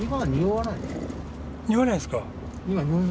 匂わないですか？